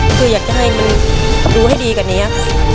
คืออยากจะให้มันดูให้ดีกว่านี้